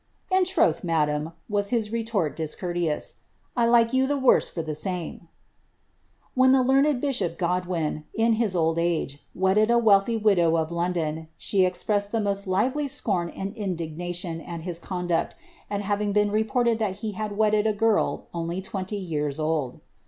^In troth, 1,^ was his retort discourteous, ^ I like you the worse for the 99 1 When the learned bishop Godwin, in his old age, wedded a wealthy widow of London, she expressed the most lively scorn and indignation «l his conduct, it having been reported that he had wedded a girl only twenty years old.